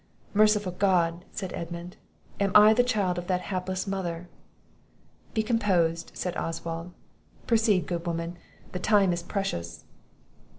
'" "Merciful God!" said Edmund; "am I the child of that hapless mother?" "Be composed," said Oswald; "proceed, good woman, the time is precious."